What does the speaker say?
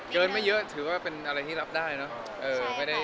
ไม่เยอะถือว่าเป็นอะไรที่รับได้เนอะ